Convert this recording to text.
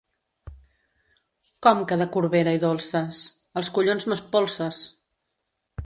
Com que de Corbera i dolces? Els collons m'espolses!